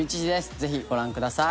ぜひご覧ください。